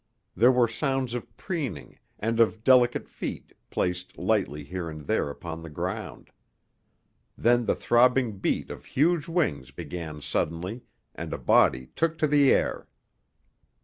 There were sounds of preening, and of delicate feet placed lightly here and there upon the ground. Then the throbbing beat of huge wings began suddenly, and a body took to the air.